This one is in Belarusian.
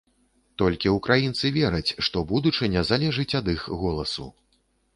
Толькі ўкраінцы вераць, што будучыня залежыць ад іх голасу.